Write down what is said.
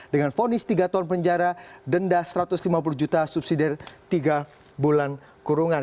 dengan fonis tiga tahun penjara denda satu ratus lima puluh juta subsidi dari tiga bulan kurungan